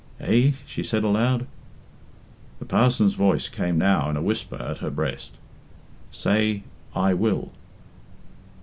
"Eh?" she said aloud. The parson's voice came now in a whisper at her breast "Say, 'I will.'"